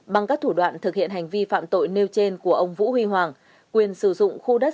bằng các thủ đoạn thực hiện hành vi phạm tội nêu trên của ông vũ huy hoàng quyền sử dụng khu đất